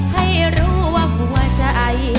ให้รู้ว่าหัวใจ